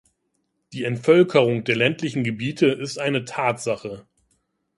Die Entvölkerung der ländlichen Gebiete ist eine Tatsache.